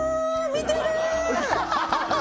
見てる！